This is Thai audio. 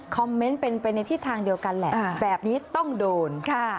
เมนต์เป็นไปในทิศทางเดียวกันแหละแบบนี้ต้องโดนค่ะ